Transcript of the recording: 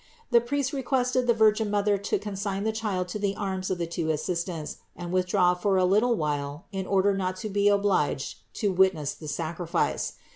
The priest requested the Virgin Mother to consign the Child to the arms of the two assistants and withdraw for a little while in order not to be obliged to witness the sacrifice.